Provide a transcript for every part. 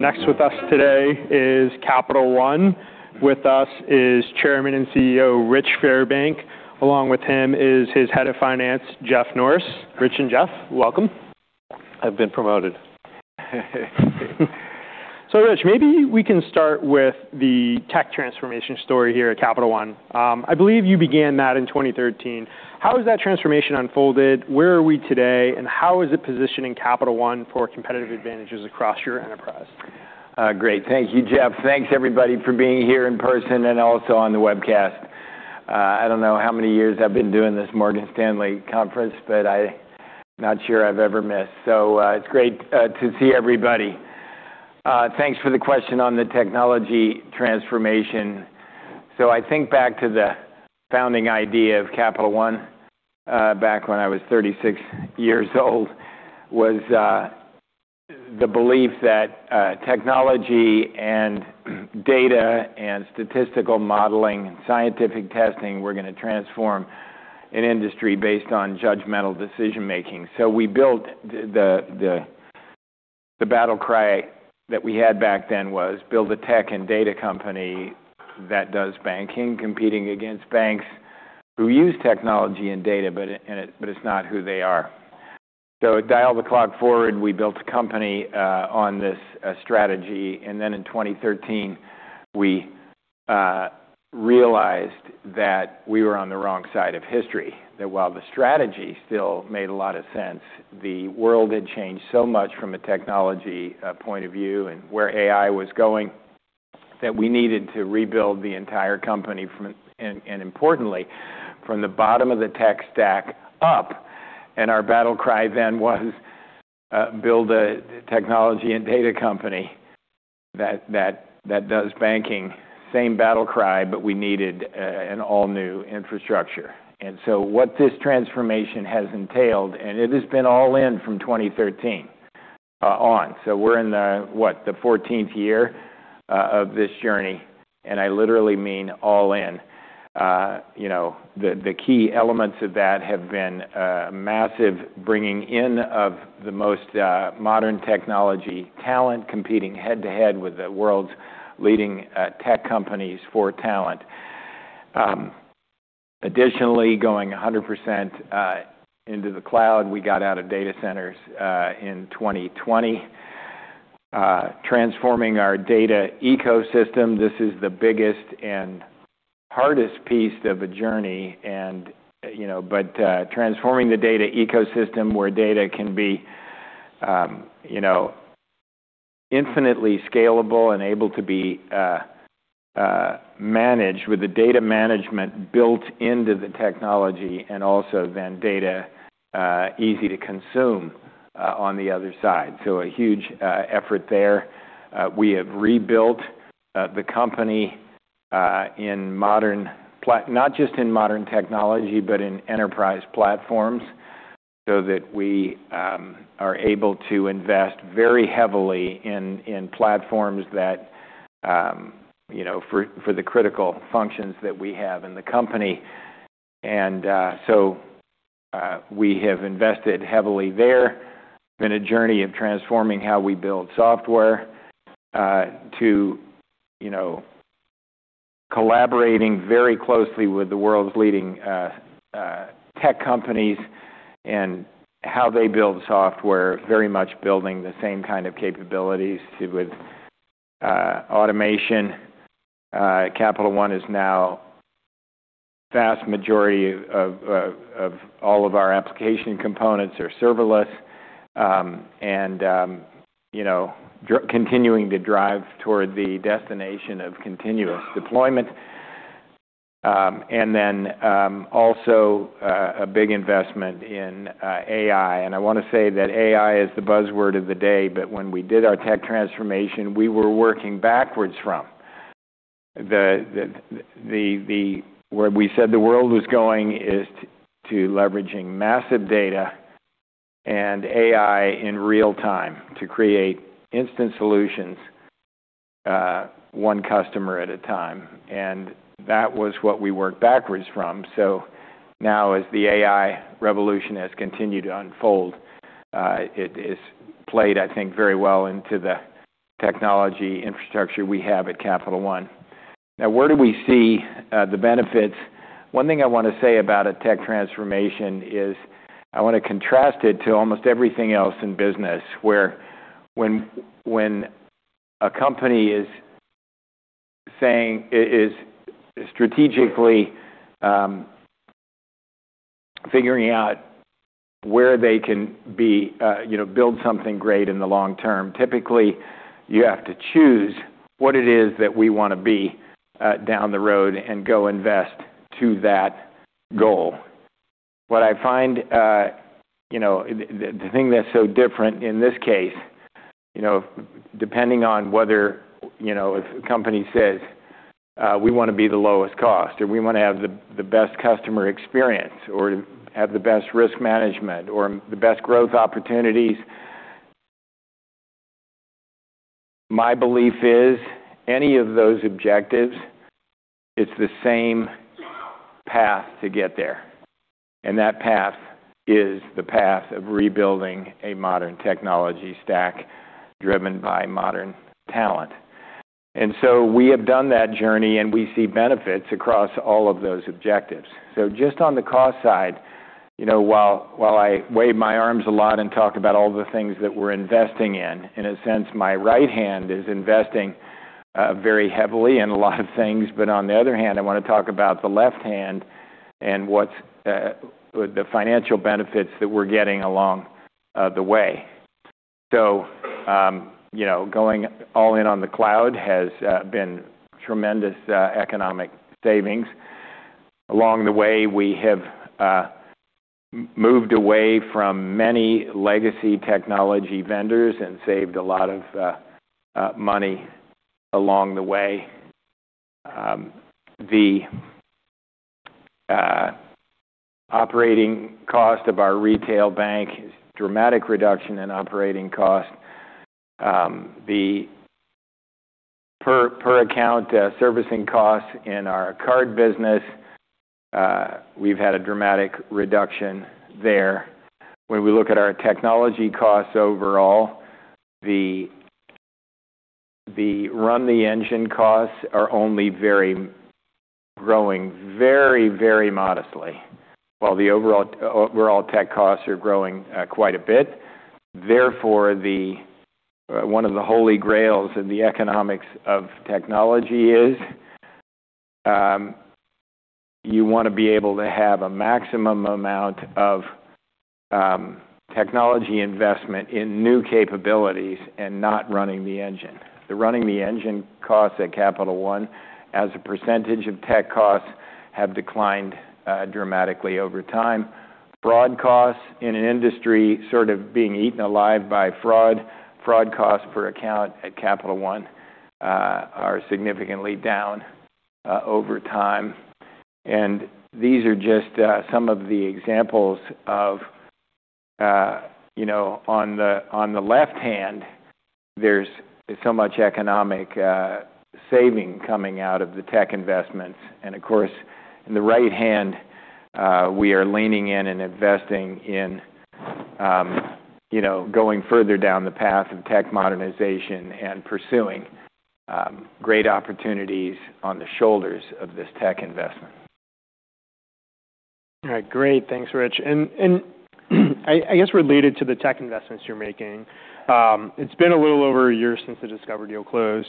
Next with us today is Capital One. With us is Chairman and CEO, Rich Fairbank. Along with him is his Head of Finance, Jeff Norris. Rich and Jeff, welcome. I've been promoted. Rich, maybe we can start with the tech transformation story here at Capital One. I believe you began that in 2013. How has that transformation unfolded? Where are we today, and how is it positioning Capital One for competitive advantages across your enterprise? Great. Thank you, Jeff. Thanks everybody for being here in person and also on the webcast. I don't know how many years I've been doing this Morgan Stanley conference, but I'm not sure I've ever missed. It's great to see everybody. Thanks for the question on the technology transformation. I think back to the founding idea of Capital One, back when I was 36 years old, was the belief that technology and data and statistical modeling and scientific testing were going to transform an industry based on judgmental decision-making. The battle cry that we had back then was, Build a tech and data company that does banking, competing against banks who use technology and data, but it's not who they are. Dial the clock forward, we built a company on this strategy. In 2013, we realized that we were on the wrong side of history. That while the strategy still made a lot of sense, the world had changed so much from a technology point of view and where AI was going, that we needed to rebuild the entire company, and importantly, from the bottom of the tech stack up. Our battle cry then was, Build a technology and data company that does banking. Same battle cry, but we needed an all-new infrastructure. What this transformation has entailed, and it has been all in from 2013 on. We're in the what? The 14th year of this journey, and I literally mean all in. The key elements of that have been a massive bringing in of the most modern technology talent, competing head-to-head with the world's leading tech companies for talent. Additionally, going 100% into the cloud. We got out of data centers in 2020. Transforming our data ecosystem, this is the biggest and hardest piece of a journey. Transforming the data ecosystem where data can be infinitely scalable and able to be managed with the data management built into the technology, and also then data easy to consume on the other side. A huge effort there. We have rebuilt the company, not just in modern technology, but in enterprise platforms, so that we are able to invest very heavily in platforms for the critical functions that we have in the company. We have invested heavily there. Been a journey of transforming how we build software to collaborating very closely with the world's leading tech companies and how they build software, very much building the same kind of capabilities with automation. Capital One is now vast majority of all of our application components are serverless, and continuing to drive toward the destination of continuous deployment. Also a big investment in AI. I want to say that AI is the buzzword of the day, but when we did our tech transformation, we were working backwards from. Where we said the world was going is to leveraging massive data and AI in real-time to create instant solutions one customer at a time. That was what we worked backwards from. Now as the AI revolution has continued to unfold, it has played, I think, very well into the technology infrastructure we have at Capital One. Now where do we see the benefits? One thing I want to say about a tech transformation is I want to contrast it to almost everything else in business. When a company is strategically figuring out where they can build something great in the long term, typically you have to choose what it is that we want to be down the road and go invest to that goal. The thing that's so different in this case, depending on whether a company says we want to be the lowest cost, or we want to have the best customer experience, or have the best risk management, or the best growth opportunities. My belief is any of those objectives, it's the same-path to get there. That path is the path of rebuilding a modern technology stack driven by modern talent. We have done that journey and we see benefits across all of those objectives. Just on the cost side, while I wave my arms a lot and talk about all the things that we're investing in a sense, my right hand is investing very heavily in a lot of things. On the other hand, I want to talk about the left hand and the financial benefits that we're getting along the way. Going all in on the cloud has been tremendous economic savings. Along the way, we have moved away from many legacy technology vendors and saved a lot of money along the way. The operating cost of our retail bank is dramatic reduction in operating cost. The per account servicing costs in our card business, we've had a dramatic reduction there. When we look at our technology costs overall, the run the engine costs are only growing very, very modestly, while the overall tech costs are growing quite a bit. Therefore, one of the holy grails in the economics of technology is, you want to be able to have a maximum amount of technology investment in new capabilities and not running the engine. The running the engine costs at Capital One as a percentage of tech costs have declined dramatically over time. Fraud costs in an industry sort of being eaten alive by fraud. Fraud costs per account at Capital One are significantly down over time. These are just some of the examples of on the left hand, there's so much economic saving coming out of the tech investments. Of course, in the right hand, we are leaning in and investing in going further down the path of tech modernization and pursuing great opportunities on the shoulders of this tech investment. All right. Great. Thanks, Rich. I guess related to the tech investments you're making, it's been a little over a year since the Discover deal closed.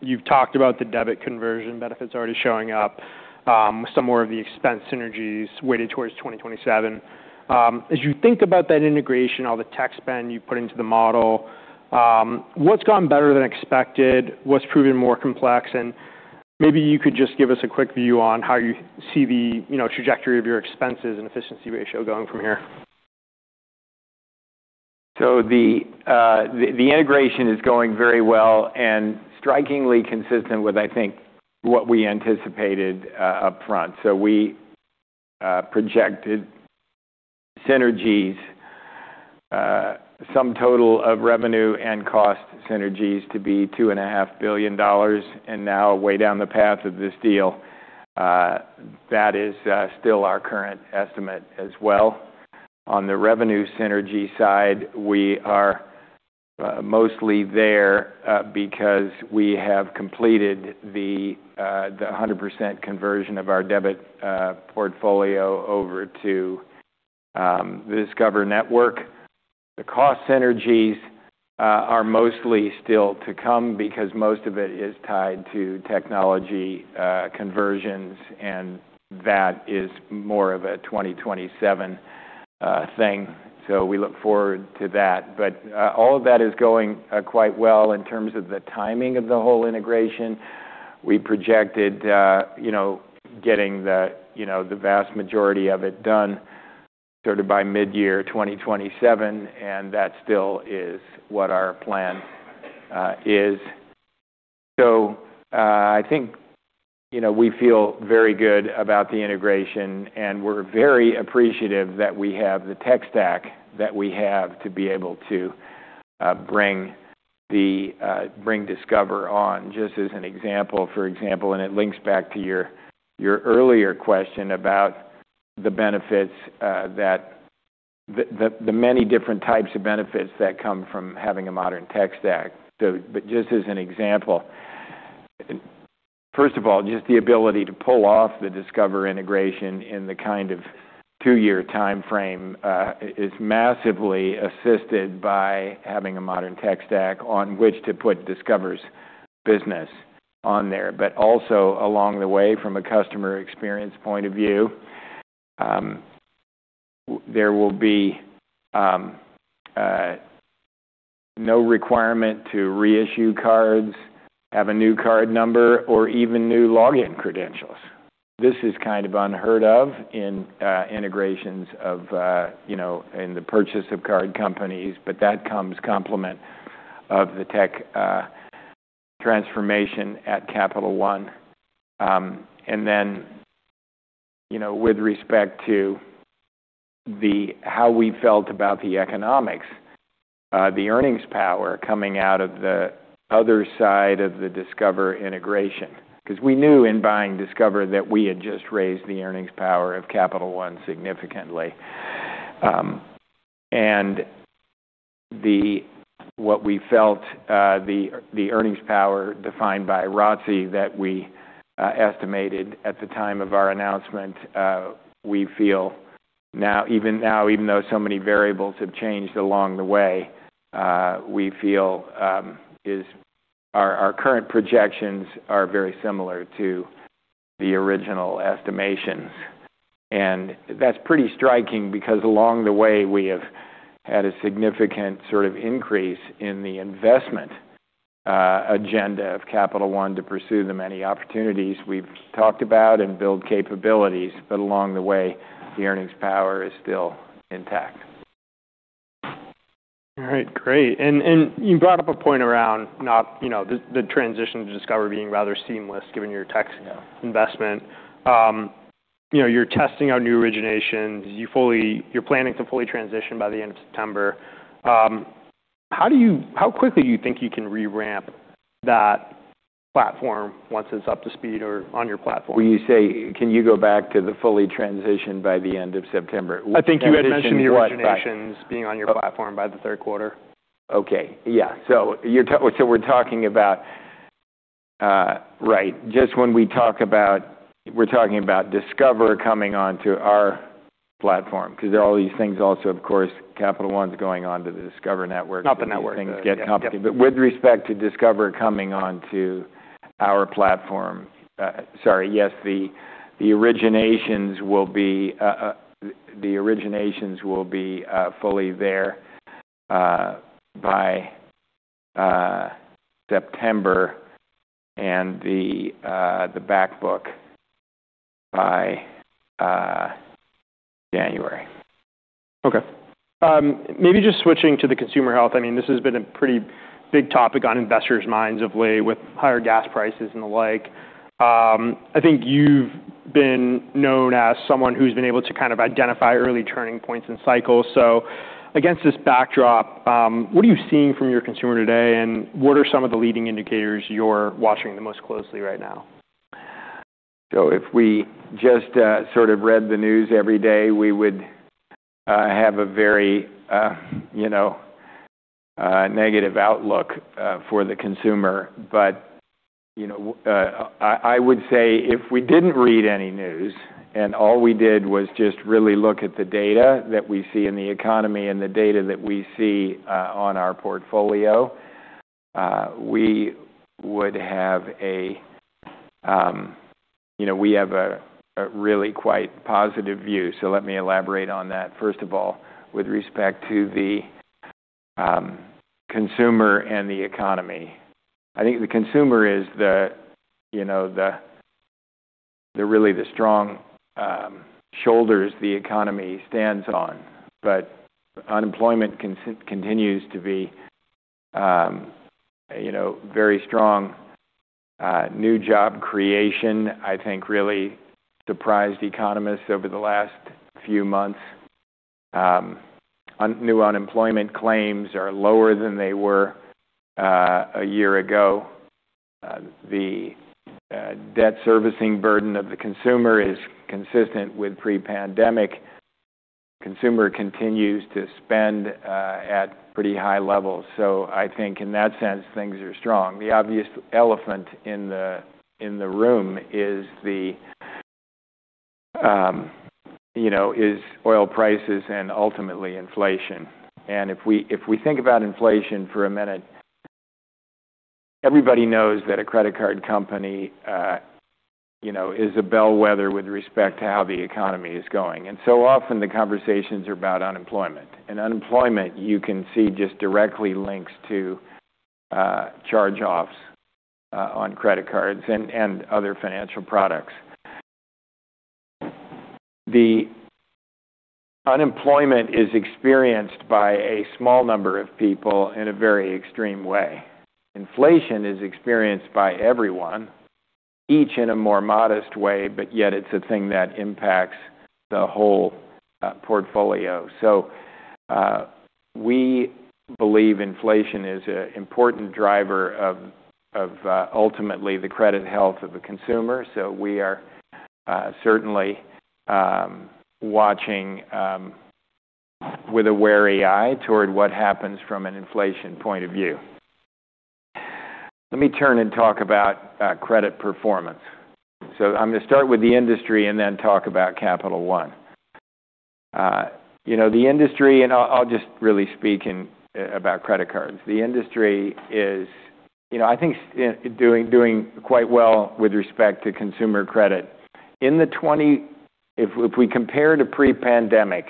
You've talked about the debit conversion benefits already showing up. Some more of the expense synergies weighted towards 2027. As you think about that integration, all the tech spend you put into the model, what's gone better than expected? What's proven more complex? Maybe you could just give us a quick view on how you see the trajectory of your expenses and efficiency ratio going from here. The integration is going very well and strikingly consistent with, I think, what we anticipated upfront. We projected synergies, sum total of revenue and cost synergies to be $2.5 billion. Now way down the path of this deal, that is still our current estimate as well. On the revenue synergy side, we are mostly there because we have completed the 100% conversion of our debit portfolio over to the Discover Network. The cost synergies are mostly still to come because most of it is tied to technology conversions, and that is more of a 2027 thing. We look forward to that. All of that is going quite well in terms of the timing of the whole integration. We projected getting the vast majority of it done sort of by mid-year 2027, and that still is what our plan is. I think we feel very good about the integration, and we're very appreciative that we have the tech stack that we have to be able to bring Discover on. Just as an example, it links back to your earlier question about the many different types of benefits that come from having a modern tech stack. Just as an example, first of all, just the ability to pull off the Discover integration in the kind of two-year timeframe is massively assisted by having a modern tech stack on which to put Discover's business on there. Also along the way, from a customer experience point of view, there will be no requirement to reissue cards, have a new card number, or even new login credentials. This is kind of unheard of in integrations in the purchase of card companies, that comes complement of the tech transformation at Capital One. With respect to how we felt about the economics, the earnings power coming out of the other side of the Discover integration. We knew in buying Discover that we had just raised the earnings power of Capital One significantly. What we felt the earnings power defined by ROTCE that we estimated at the time of our announcement, even now, even though so many variables have changed along the way, we feel our current projections are very similar to the original estimations. That's pretty striking because along the way we have had a significant sort of increase in the investment agenda of Capital One to pursue the many opportunities we've talked about and build capabilities. Along the way, the earnings power is still intact. All right, great. You brought up a point around the transition to Discover being rather seamless given your tech investment. You're testing out new originations. You're planning to fully transition by the end of September. How quickly do you think you can re-ramp that platform once it's up to speed or on your platform? When you say, can you go back to the fully transitioned by the end of September? I think you had mentioned the originations being on your platform by the third quarter. Okay. Yeah. We're talking about Discover coming onto our platform because there are all these things also, of course, Capital One's going on to the Discover Network. Not the network. These things get complicated. With respect to Discover coming onto our platform. Sorry. Yes, the originations will be fully there by September and the back book by January. Okay. Maybe just switching to the consumer health. This has been a pretty big topic on investors' minds of late with higher gas prices and the like. I think you've been known as someone who's been able to kind of identify early turning points in cycles. Against this backdrop, what are you seeing from your consumer today, and what are some of the leading indicators you're watching the most closely right now? If we just sort of read the news every day, we would have a very negative outlook for the consumer. I would say if we didn't read any news and all we did was just really look at the data that we see in the economy and the data that we see on our portfolio, we have a really quite positive view. Let me elaborate on that. First of all, with respect to the consumer and the economy. I think the consumer is really the strong shoulders the economy stands on. Unemployment continues to be very strong. New job creation, I think, really surprised economists over the last few months. New unemployment claims are lower than they were a year ago. The debt servicing burden of the consumer is consistent with pre-pandemic. Consumer continues to spend at pretty high levels. I think in that sense, things are strong. The obvious elephant in the room is oil prices and ultimately inflation. If we think about inflation for a minute, everybody knows that a credit card company is a bellwether with respect to how the economy is going. Often the conversations are about unemployment. Unemployment, you can see just directly links to charge-offs on credit cards and other financial products. The unemployment is experienced by a small number of people in a very extreme way. Inflation is experienced by everyone, each in a more modest way, but yet it's a thing that impacts the whole portfolio. We believe inflation is an important driver of ultimately the credit health of a consumer. We are certainly watching with a wary eye toward what happens from an inflation point of view. Let me turn and talk about credit performance. I'm going to start with the industry and then talk about Capital One. The industry, I'll just really speak about credit cards. The industry is, I think, doing quite well with respect to consumer credit. If we compare to pre-pandemic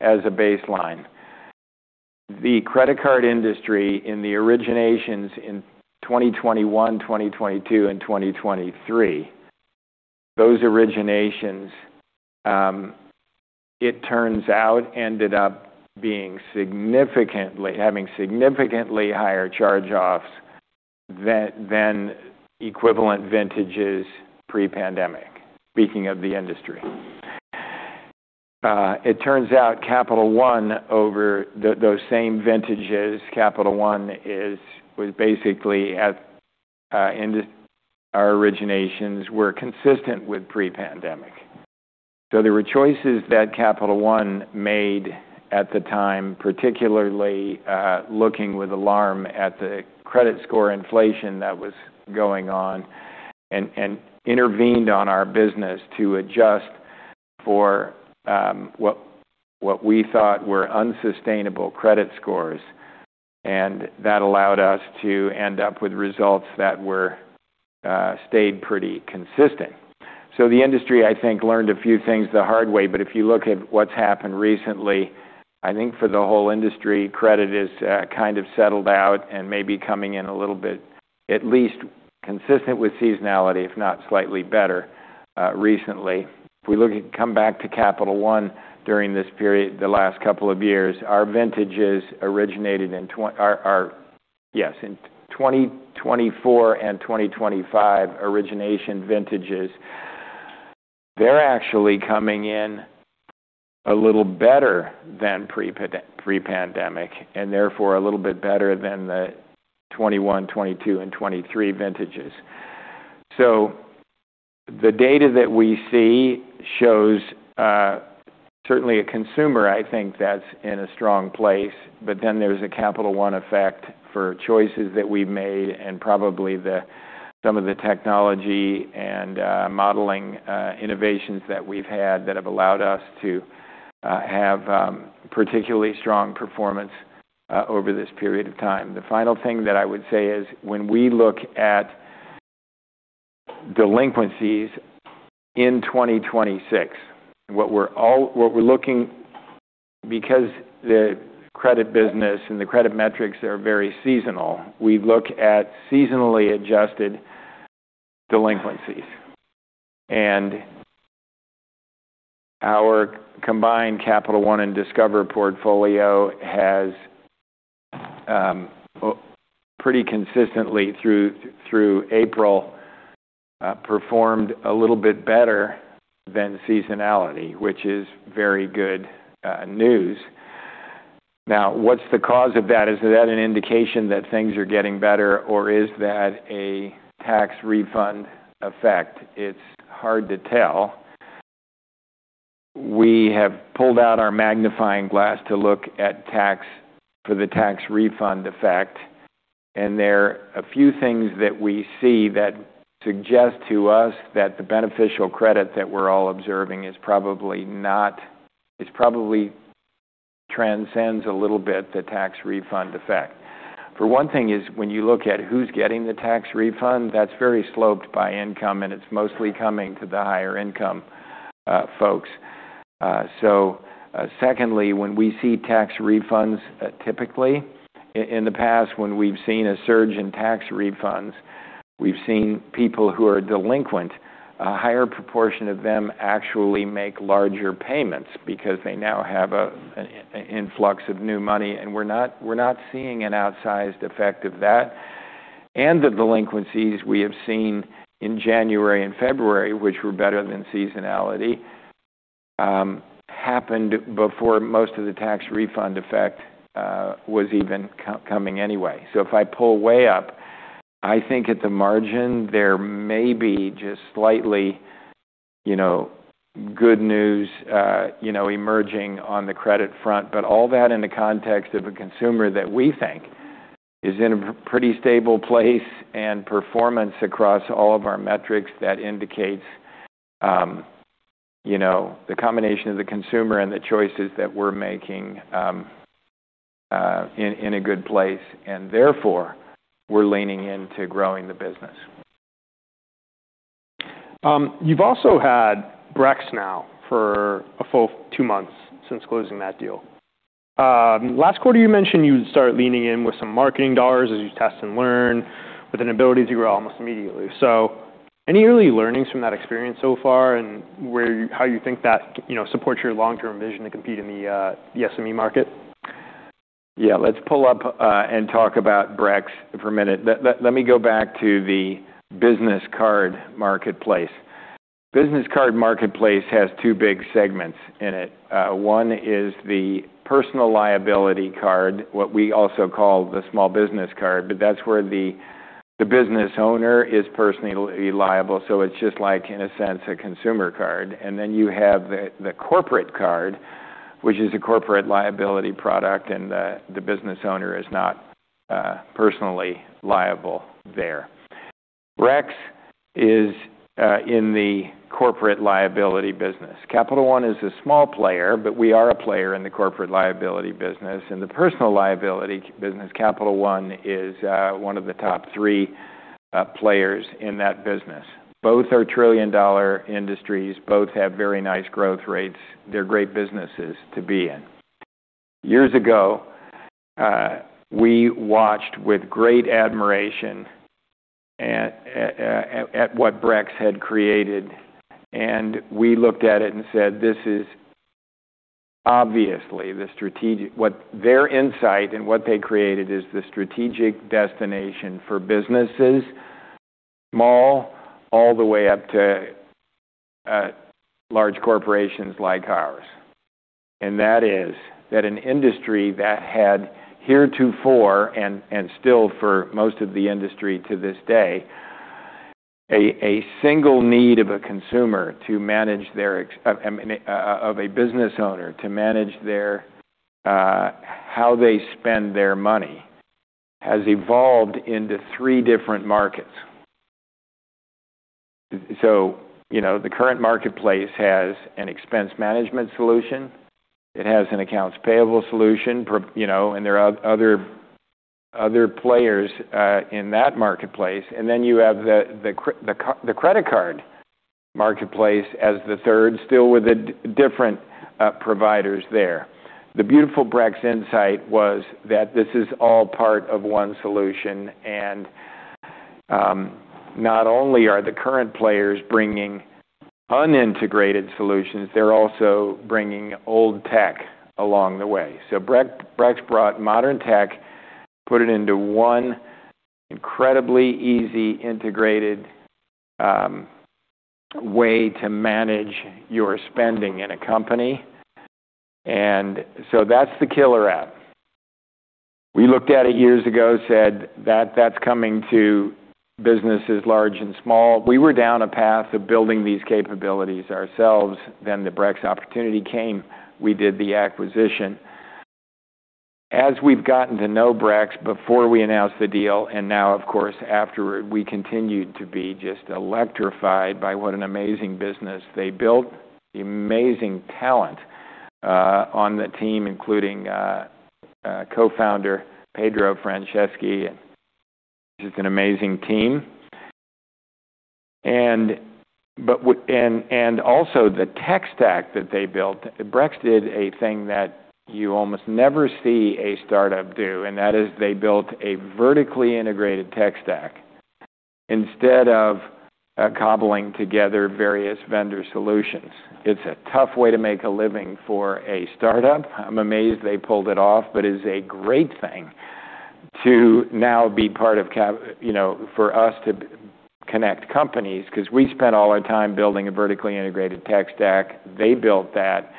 as a baseline, the credit card industry in the originations in 2021, 2022, and 2023, those originations, it turns out, ended up having significantly higher charge-offs than equivalent vintages pre-pandemic, speaking of the industry. It turns out Capital One, over those same vintages, Capital One was basically at our originations were consistent with pre-pandemic. There were choices that Capital One made at the time, particularly looking with alarm at the credit score inflation that was going on, and intervened on our business to adjust for what we thought were unsustainable credit scores. That allowed us to end up with results that stayed pretty consistent. The industry, I think, learned a few things the hard way. If you look at what's happened recently, I think for the whole industry, credit is kind of settled out and may be coming in a little bit, at least consistent with seasonality, if not slightly better recently. If we come back to Capital One during this period, the last couple of years, our vintages originated in 2024 and 2025 origination vintages, they're actually coming in a little better than pre-pandemic, and therefore a little bit better than the 2021, 2022, and 2023 vintages. The data that we see shows certainly a consumer, I think, that's in a strong place, there's a Capital One effect for choices that we've made and probably some of the technology and modeling innovations that we've had that have allowed us to have particularly strong performance over this period of time. The final thing that I would say is when we look at delinquencies in 2026, because the credit business and the credit metrics are very seasonal, we look at seasonally adjusted delinquencies. Our combined Capital One and Discover portfolio has pretty consistently through April performed a little bit better than seasonality, which is very good news. Now, what's the cause of that? Is that an indication that things are getting better or is that a tax refund effect? It's hard to tell. We have pulled out our magnifying glass to look at for the tax refund effect, there are a few things that we see that suggest to us that the beneficial credit that we're all observing probably transcends a little bit the tax refund effect. For one thing is when you look at who's getting the tax refund, that's very sloped by income, and it's mostly coming to the higher income folks. Secondly, when we see tax refunds, typically in the past when we've seen a surge in tax refunds, we've seen people who are delinquent, a higher proportion of them actually make larger payments because they now have an influx of new money, and we're not seeing an outsized effect of that. The delinquencies we have seen in January and February, which were better than seasonality, happened before most of the tax refund effect was even coming anyway. If I pull way up, I think at the margin there may be just slightly good news emerging on the credit front. All that in the context of a consumer that we think is in a pretty stable place and performance across all of our metrics that indicates the combination of the consumer and the choices that we're making in a good place, and therefore we're leaning into growing the business. You've also had Brex now for a full two months since closing that deal. Last quarter you mentioned you would start leaning in with some marketing dollars as you test and learn with an ability to grow almost immediately. Any early learnings from that experience so far and how you think that supports your long-term vision to compete in the SME market? Yeah. Let's pull up and talk about Brex for a minute. Let me go back to the business card marketplace. Business card marketplace has two big segments in it. One is the personal liability card, what we also call the small business card. That's where the business owner is personally liable, so it's just like, in a sense, a consumer card. Then you have the corporate card, which is a corporate liability product, and the business owner is not personally liable there. Brex is in the corporate liability business. Capital One is a small player, but we are a player in the corporate liability business. In the personal liability business, Capital One is one of the top three players in that business. Both are trillion-dollar industries, both have very nice growth rates. They're great businesses to be in. Years ago, we watched with great admiration at what Brex had created. We looked at it and said, Obviously, their insight and what they created is the strategic destination for businesses, small all the way up to large corporations like ours. That is that an industry that had heretofore and still for most of the industry to this day, a single need of a business owner to manage how they spend their money has evolved into three different markets. The current marketplace has an expense management solution. It has an accounts payable solution, and there are other players in that marketplace. You have the credit card marketplace as the third, still with the different providers there. The beautiful Brex insight was that this is all part of one solution, and not only are the current players bringing unintegrated solutions, they're also bringing old tech along the way. Brex brought modern tech, put it into one incredibly easy, integrated way to manage your spending in a company. That's the killer app. We looked at it years ago, said that's coming to businesses large and small. We were down a path of building these capabilities ourselves. The Brex opportunity came. We did the acquisition. As we've gotten to know Brex before we announced the deal, and now of course, afterward, we continued to be just electrified by what an amazing business they built. Amazing talent on the team, including Co-founder Pedro Franceschi, just an amazing team. Also the tech stack that they built. Brex did a thing that you almost never see a startup do. That is they built a vertically integrated tech stack instead of cobbling together various vendor solutions. It's a tough way to make a living for a startup. I'm amazed they pulled it off. It is a great thing to now be part of, for us to connect companies because we spent all our time building a vertically integrated tech stack. They built that.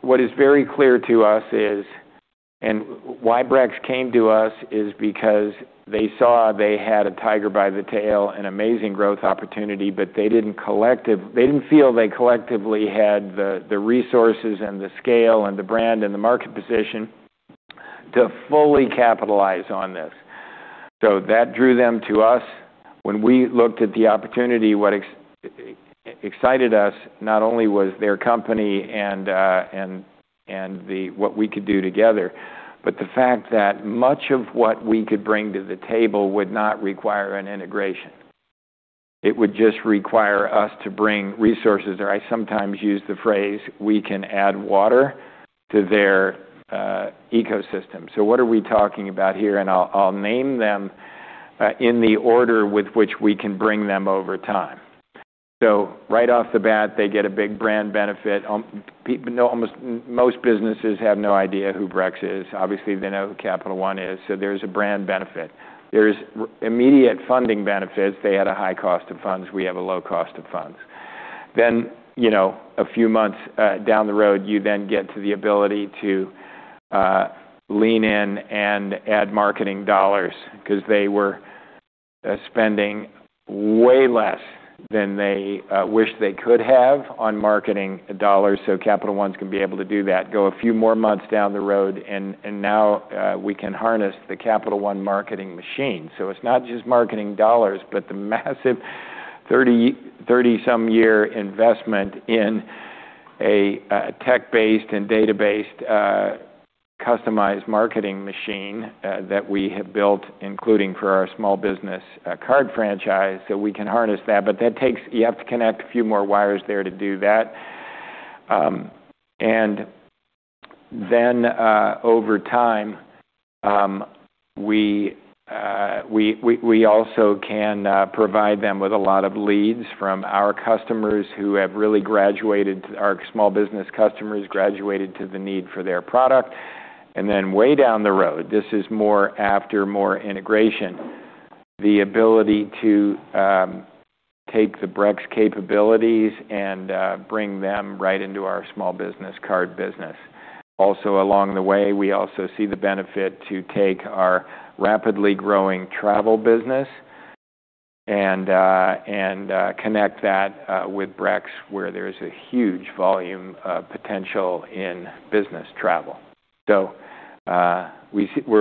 What is very clear to us is, why Brex came to us is because they saw they had a tiger by the tail, an amazing growth opportunity, but they didn't feel they collectively had the resources and the scale and the brand and the market position to fully capitalize on this. That drew them to us. When we looked at the opportunity, what excited us not only was their company and what we could do together, but the fact that much of what we could bring to the table would not require an integration. It would just require us to bring resources, or I sometimes use the phrase, we can add water to their ecosystem. What are we talking about here? I'll name them in the order with which we can bring them over time. Right off the bat, they get a big brand benefit. Most businesses have no idea who Brex is. Obviously, they know who Capital One is. There's a brand benefit. There's immediate funding benefits. They had a high cost of funds. We have a low cost of funds. A few months down the road, you then get to the ability to lean in and add marketing dollars because they were spending way less than they wish they could have on marketing dollars. Capital One's going to be able to do that, go a few more months down the road, and now we can harness the Capital One marketing machine. It's not just marketing dollars, but the massive 30-some year investment in a tech-based and data-based customized marketing machine that we have built, including for our small business card franchise. We can harness that. You have to connect a few more wires there to do that. Over time, we also can provide them with a lot of leads from our customers who have really graduated, our small business customers graduated to the need for their product. Way down the road, this is more after more integration, the ability to take the Brex capabilities and bring them right into our small business card business. Also along the way, we also see the benefit to take our rapidly growing travel business and connect that with Brex, where there is a huge volume potential in business travel. We're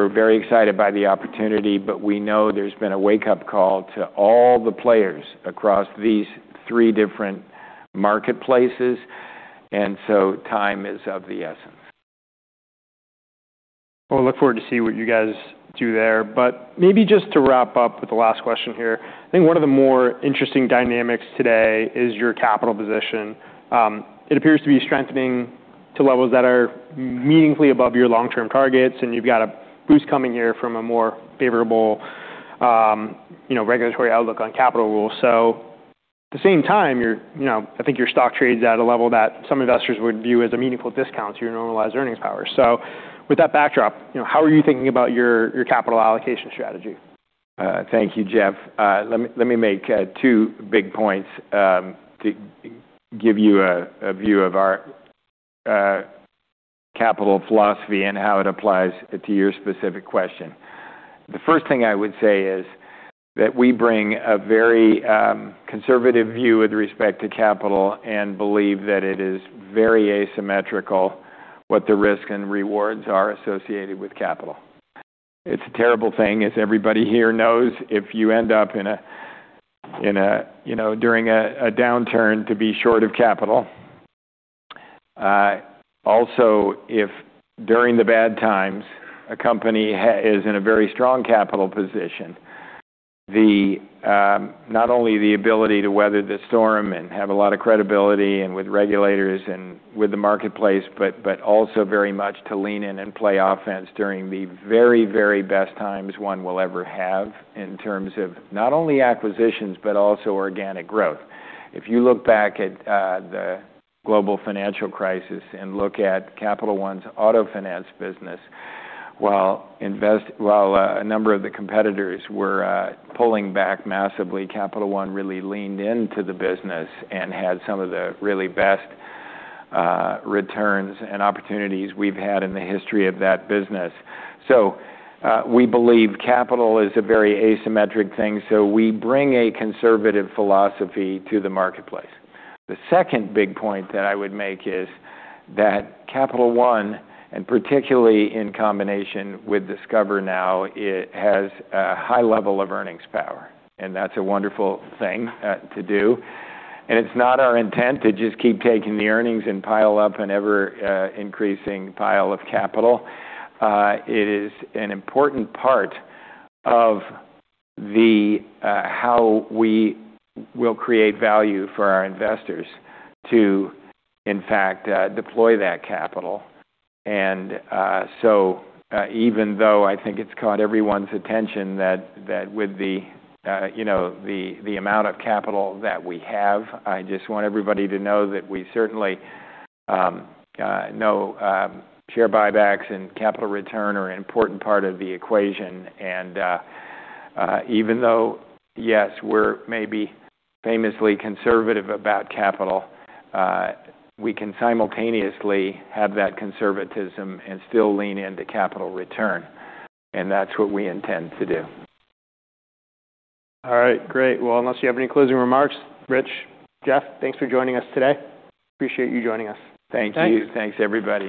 very excited by the opportunity, we know there's been a wake-up call to all the players across these three different marketplaces, time is of the essence. Well, I look forward to see what you guys do there. Maybe just to wrap up with the last question here. I think one of the more interesting dynamics today is your capital position. It appears to be strengthening to levels that are meaningfully above your long-term targets, and you've got a boost coming here from a more favorable regulatory outlook on capital rules. At the same time, I think your stock trades at a level that some investors would view as a meaningful discount to your normalized earnings power. With that backdrop, how are you thinking about your capital allocation strategy? Thank you, Jeff. Let me make two big points to give you a view of our capital philosophy and how it applies to your specific question. The first thing I would say is that we bring a very conservative view with respect to capital and believe that it is very asymmetrical what the risk and rewards are associated with capital. It's a terrible thing, as everybody here knows, if you end up during a downturn to be short of capital. Also, if during the bad times a company is in a very strong capital position, not only the ability to weather the storm and have a lot of credibility and with regulators and with the marketplace, but also very much to lean in and play offense during the very best times one will ever have in terms of not only acquisitions but also organic growth. If you look back at the global financial crisis and look at Capital One's auto finance business, while a number of the competitors were pulling back massively, Capital One really leaned into the business and had some of the really best returns and opportunities we've had in the history of that business. We believe capital is a very asymmetric thing, so we bring a conservative philosophy to the marketplace. The second big point that I would make is that Capital One, particularly in combination with Discover now, it has a high level of earnings power, and that's a wonderful thing to do. It is not our intent to just keep taking the earnings and pile up an ever-increasing pile of capital. It is an important part of how we will create value for our investors to, in fact, deploy that capital. Even though I think it's caught everyone's attention that with the amount of capital that we have, I just want everybody to know that we certainly know share buybacks and capital return are an important part of the equation. Even though, yes, we're maybe famously conservative about capital, we can simultaneously have that conservatism and still lean into capital return, and that's what we intend to do. All right. Great. Well, unless you have any closing remarks, Rich, Jeff, thanks for joining us today. Appreciate you joining us. Thank you. Thanks. Thanks, everybody.